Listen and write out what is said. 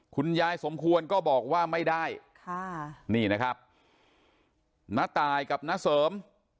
คุณยายสมควรก็บอกว่าไม่ได้ค่ะนี่นะครับน้าตายกับน้าเสริม